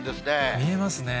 見えますね。